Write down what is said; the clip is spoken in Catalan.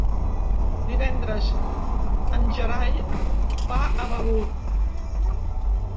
Divendres en Gerai va a Begur.